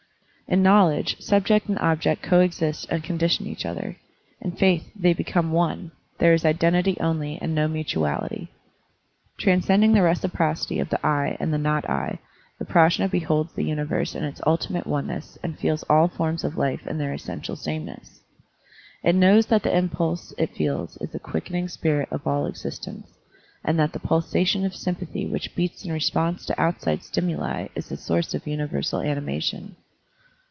In knowledge subject and object coexist and condition each other; in faith they become one, there is identity only and no mutuality. Transcending the reciprocity of the "T' and the "not I, the PrajM beholds the imiverse in its ultimate oneness and feels all forms of life in their essential sameness. It knows that the impulse it feels is the quickenir^ spirit of all existence, and that the pulsation of sympathy which beats in response to outside stimuli is the source of universal animation.